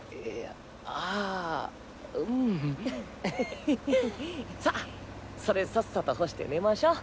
ヘヘさそれさっさと干して寝ましょう。